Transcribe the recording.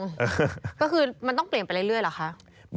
ก็คือมันต้องเปลี่ยนไปเรื่อยเหรอคะ